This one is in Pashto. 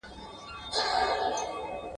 څوک له تاج سره روان وي چا اخیستې خزانې وي !.